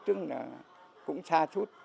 nhưng mà cũng xa chút